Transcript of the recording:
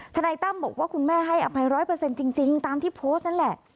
ทนายตั้มบอกว่าคุณแม่ให้อภัยร้อยเปอร์เซ็นต์จริงตามที่โพสต์นั่นแหละ